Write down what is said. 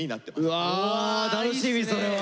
うわ楽しみそれは。